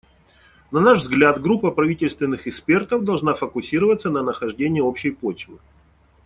На наш взгляд, группа правительственных экспертов должна фокусироваться на нахождении общей почвы.